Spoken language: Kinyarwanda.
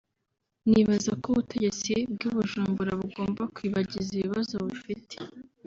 nibaza ko ubutegetsi bw’i Bujumbura bugomba kwibagiza ibibazo bufite